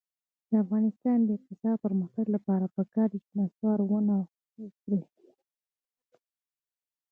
د افغانستان د اقتصادي پرمختګ لپاره پکار ده چې نصوار ونه خورئ.